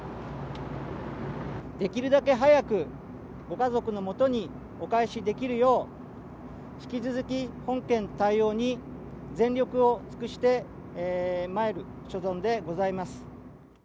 できるだけ早く、ご家族のもとにお返しできるよう、引き続き、本件対応に全力を尽くしてまいる所存でございます。